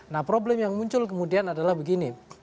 nah problem yang muncul kemudian adalah begini